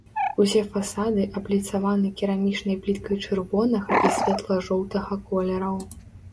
Усе фасады абліцаваны керамічнай пліткай чырвонага і светла-жоўтага колераў.